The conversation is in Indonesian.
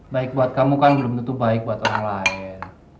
baik buat kamu kan belum tentu baik buat orang lain